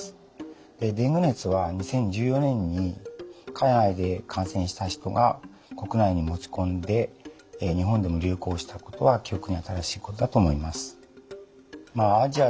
デング熱は２０１４年に海外で感染した人が国内に持ち込んで日本でも流行したことは記憶に新しいことだと思います。